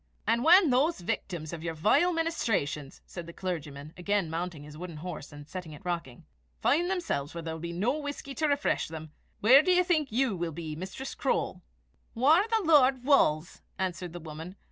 "And when those victims of your vile ministrations," said the clergyman, again mounting his wooden horse, and setting it rocking, "find themselves where there will be no whisky to refresh them, where do you think you will be, Mistress Croale?" "Whaur the Lord wulls," answered the woman.